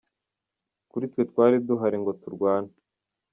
Kuri twe twari duhari ngo turwane’.